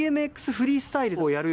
フリースタイルをやる